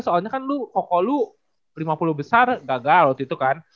soalnya kan lo pokok lo lima puluh besar gagal waktu itu kan